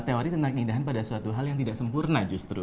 teori tentang keindahan pada suatu hal yang tidak sempurna justru